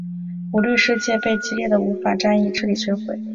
舞律世界被激烈的舞法战役彻底摧毁。